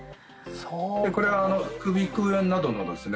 これは副鼻腔炎などのですね